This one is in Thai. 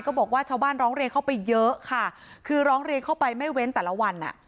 บอกว่าชาวบ้านร้องเรียนเข้าไปเยอะค่ะคือร้องเรียนเข้าไปไม่เว้นแต่ละวันอ่ะ